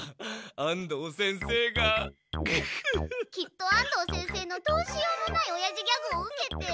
きっと安藤先生のどうしようもないおやじギャグを受けて。